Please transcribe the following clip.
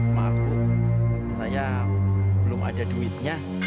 maaf bu saya belum ada demitnya